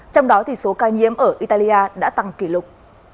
trong đó thì số ca nhiễm ở italia đã tăng kỷ lục